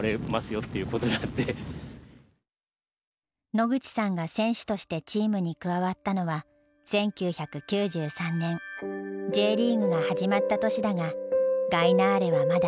野口さんが選手としてチームに加わったのは１９９３年Ｊリーグが始まった年だがガイナーレはまだアマチュア。